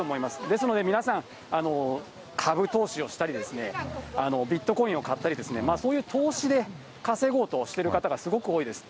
ですので皆さん、株投資をしたり、ビットコインを買ったり、そういう投資で稼ごうとしている方がすごく多いです。